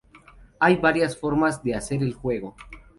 Hay varias formas para hacer el juego.